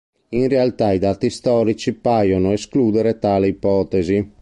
In realtà i dati storici paiono escludere tale ipotesi.